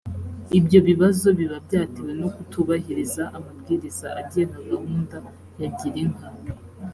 ibyo bibazo biba byatewe no kutubahiriza amabwiriza agenga gahunda ya girinka